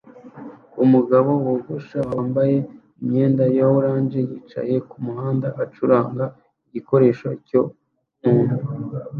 Umugabo wogosha wambaye imyenda ya orange yicaye kumuhanda acuranga igikoresho cyo munwa